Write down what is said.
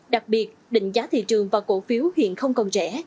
đặc biệt định giá thị trường và cổ phiếu hiện không còn rẻ